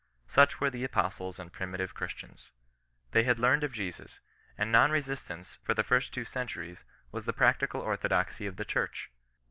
Such were the apostles and pri* mitive Christians. They had learned of Jesus ; and non resistance, for the first two centuries, was the practical orthodoxy of the church.